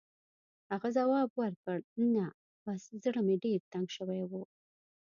هغه ځواب ورکړ: «نه، بس زړه مې ډېر تنګ شوی و.